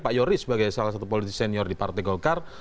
pak yoris sebagai salah satu politisi senior di partai golkar